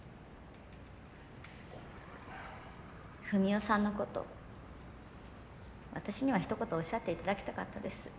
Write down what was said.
文雄さんのこと私にはひと言おっしゃって頂きたかったです。